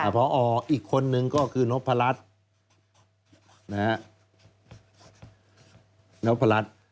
พออีกคนนึงก็คือนพรัชนพรัช